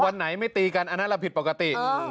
วันไหนไม่ตีกันอันนั้นเราผิดปกติ